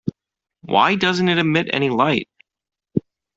Why doesn't it emit any light?